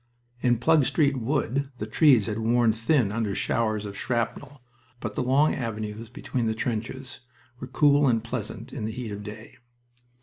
In Plug Street Wood the trees had worn thin under showers of shrapnel, but the long avenues between the trenches were cool and pleasant in the heat of the day.